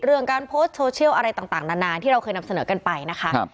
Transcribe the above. เรื่องการโพสต์โซเชียลอะไรต่างนานที่เราเคยนำเสนอกันไปนะคะ